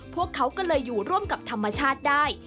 พวกเขาก็เลยอยู่ร่วมกับธรรมชาติได้